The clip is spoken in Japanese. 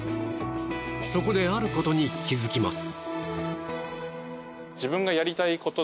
そこで、あることに気づきます。